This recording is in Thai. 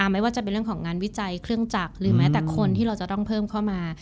ไม่ว่าจะเป็นเรื่องของงานวิจัยเครื่องจักรหรือแม้แต่คนที่เราจะต้องเพิ่มเข้ามา